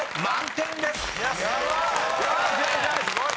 ［満点です！］